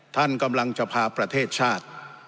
ท่านกำลังจะพาประเทศชาติ